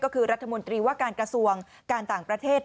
ก็คือรัฐมนตรีว่าการกระทรวงการต่างประเทศ